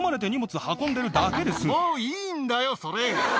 私、もういいんだよ、それ。